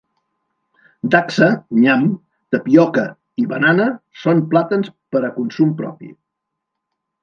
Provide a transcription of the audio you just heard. Dacsa, nyam, tapioca i banana són plantats per a consum propi.